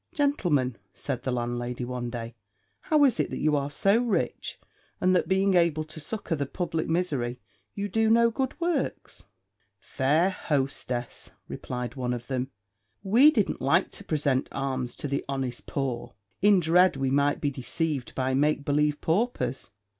"Gentlemen," said the landlady one day, "how is it that you are so rich, and that, being able to succour the public misery, you do no good works?" "Fair hostess," replied one of them, "we didn't like to present alms to the honest poor, in dread we might be deceived by make believe paupers.